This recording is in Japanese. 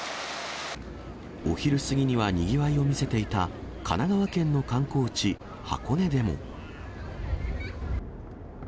お昼過ぎにはにぎわいを見せていた神奈川県の観光地、箱根でも。